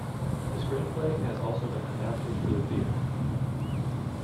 The screenplay has also been adapted for the theatre.